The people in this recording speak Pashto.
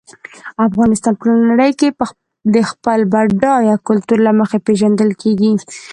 افغانستان په ټوله نړۍ کې د خپل بډایه کلتور له مخې پېژندل کېږي.